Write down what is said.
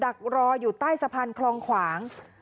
ดักรออยู่ใต้สะพานคลองขวาง